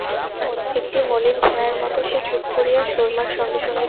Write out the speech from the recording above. একটি মলিন ছায়ার মত সে চুপ করিয়া সুরমার সঙ্গে সঙ্গে ফেরে।